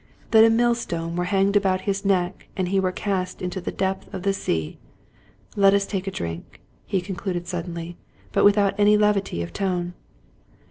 — ^that a millstone were hanged about his neck and he were cast into the depth of the sea. Let us take a drink," he concluded suddenly, but without any levity of tone.